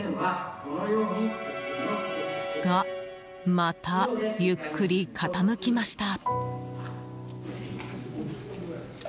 が、またゆっくり傾きました。